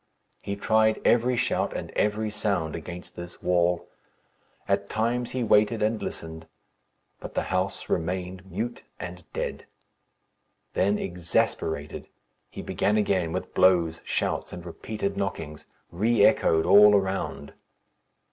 He tried every shout and every sound against this wall. At times he waited and listened; but the house remained mute and dead. Then, exasperated, he began again with blows, shouts, and repeated knockings, re echoed all around.